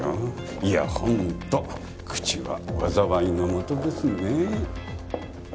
いやほんと口は災いのもとですね？